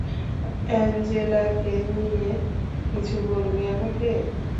অ্যাঞ্জেলাকে নিয়ে কিছু বলবে আমাকে?